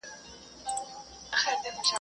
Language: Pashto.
طوطي نه وو یوه لویه ننداره وه.